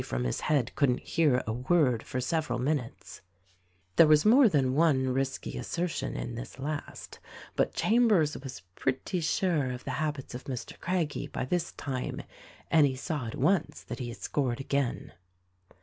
from his head couldn't hear a word for several minutes ?'': (There was more than one risky assertion in this last, but Chambers was pretty sure of the habits of Mr. Craggie, by this time, and he saw at once that he had scored again.)